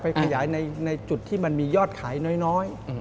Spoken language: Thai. ขยายในจุดที่มันมียอดขายน้อย